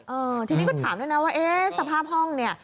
เออทีนี้ก็ถามด้วยนะว่าเอ๊ะสภาพห้องเนี่ย